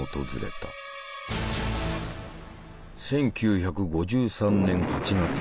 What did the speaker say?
１９５３年８月。